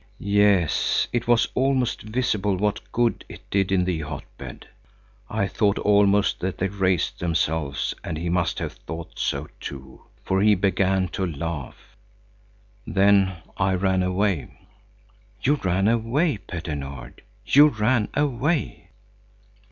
Yes, it was almost visible what good it did in the hotbed. I thought almost that they raised themselves, and he must have thought so too, for he began to laugh. Then I ran away." "You ran away, Petter Nord, you ran away?"